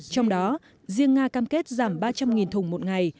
trong đó riêng nga cam kết giảm ba trăm linh thùng một ngày